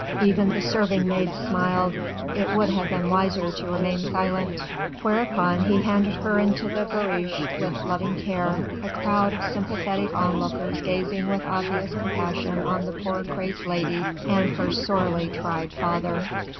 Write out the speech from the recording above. Even the serving maids smiled. It would have been wiser to remain silent." Whereupon he handed her into the barouche with loving care, a crowd of sympathetic onlookers gazing with obvious compassion on the poor crazed lady and her sorely tried father.